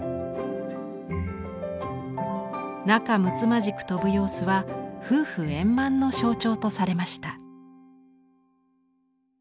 仲むつまじく飛ぶ様子は夫婦円満の象徴とされました。